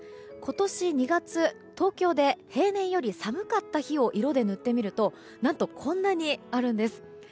今年２月東京で平年より寒かった日を色で塗ってみると何とこんなにあるんです。